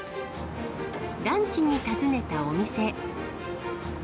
ランチに訪ねたお店。